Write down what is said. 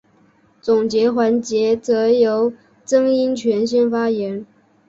总结环节则由曾荫权先发言。